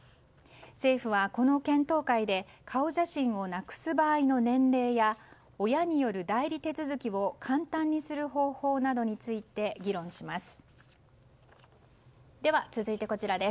政府はこの検討会で顔写真をなくす場合の年齢や親による代理手続きを簡単にする方法などについて議論します。